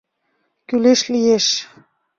Кӱлеш лиеш.